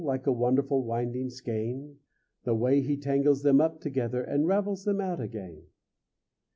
Like a wonderful winding skein, The way he tangles them up together And ravels them out again!